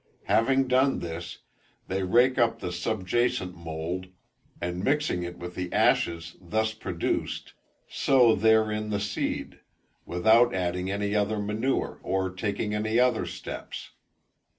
Having done this, they rake up the subjacent mould, and mixing it with the ashes thus produced, sow therein the seed, without adding any other manure, or taking any other steps.